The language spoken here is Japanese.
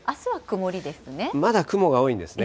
まだ雲が多いんですね。